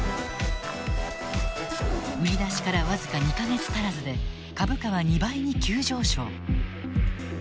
売り出しから僅か２か月足らずで株価は２倍に急上昇。